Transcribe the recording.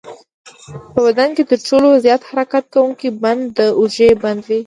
په بدن کې تر ټولو زیات حرکت کوونکی بند د اوږې بند دی.